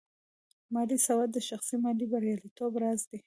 مالي سواد د شخصي مالي بریالیتوب راز دی.